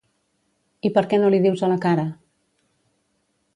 I per què no li dius a la cara?